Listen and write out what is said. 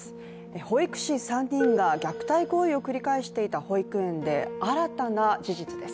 保育士３人が虐待行為を繰り返していた保育園で新たな事実です。